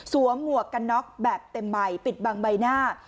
หมวกกันน็อกแบบเต็มใบปิดบังใบหน้า